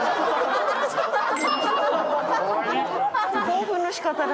「興奮の仕方が」